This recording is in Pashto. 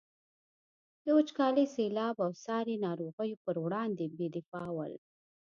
د وچکالي، سیلاب او ساري ناروغیو پر وړاندې بې دفاع ول.